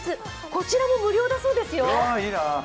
こちらも無料だそうですよ。